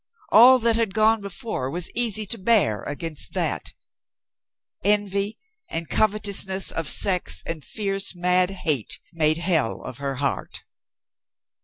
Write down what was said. All that had gone before was easy to bear against that ... Envy and covetousness of sex and fierce mad hate, made hell of her heart.